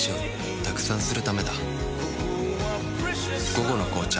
「午後の紅茶」